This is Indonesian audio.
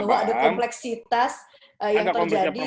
bahwa ada kompleksitas yang terjadi